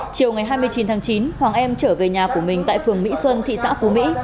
chiều ngày hai mươi chín tháng chín hoàng em trở về nhà của mình tại phường mỹ xuân thị xã phú mỹ